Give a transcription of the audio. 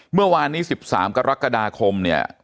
เมื่อวานนี้๑๓กรกฎาคมเนี่ย